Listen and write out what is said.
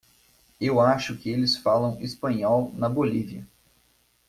Eu acho que eles falam espanhol na Bolívia.